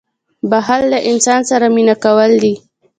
• بښل له ځان سره مینه کول دي.